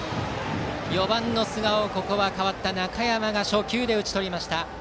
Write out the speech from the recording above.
４番の寿賀をここは代わった中山初球で打ち取りました。